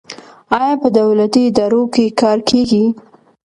آیا په دولتي ادارو کې کار کیږي؟